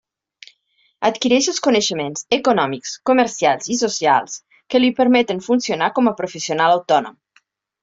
Adquireix els coneixements econòmics, comercials i socials que li permeten funcionar com a professional autònom.